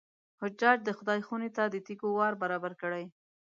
حجاج د خدای خونې ته د تېږو وار برابر کړی.